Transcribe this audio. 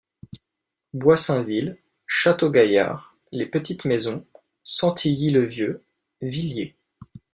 Boissainville, Château-Gaillard, les Petites Maisons, Santilly-le-Vieux, Villiers.